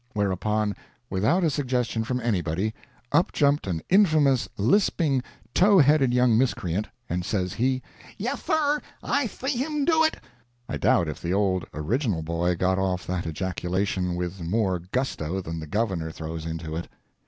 Whereupon, without a suggestion from anybody, up jumped an infamous, lisping, tow headed young miscreant, and says he, "Yeth, thir, I thee him do it!" I doubt if the old original boy got off that ejaculation with more gusto than the Governor throws into it.